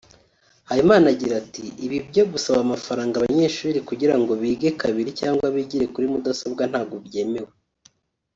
Habimana agira ati ”Ibi byo gusaba amafaranga abanyeshuri kugira ngo bige kabiri cyangwa bigire kuri mudasobwa ntabwo byemewe